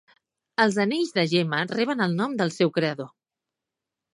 Els anells de Gemma reben el nom del seu creador.